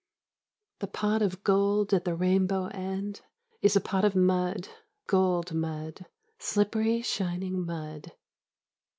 F.) The pot of gold at the rainbow end is a pot of mud, gold mud, slippery shining mud.